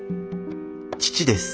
父です。